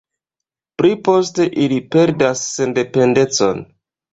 Pli poste ili perdas sendependecon.